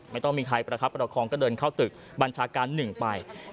ไม่ต้องมีใครเเปล่าครับปาหลาทากองก็เดินเข้าตึกบัญชาการแบบหนึ่งไป